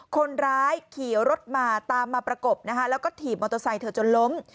คนร้ายขี่รถมาตามมาประกบนะคะแล้วก็ถีบมอเตอร์ไซค์เธอจนล้ม